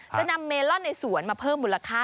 จะนำเมลอนในสวนมาเพิ่มมูลค่า